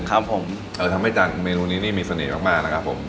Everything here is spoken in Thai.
ครับผมทำให้เมนูนี้นี่มีเสน่ห์มากมากนะครับผม